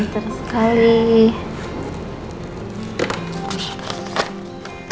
terima kasih dok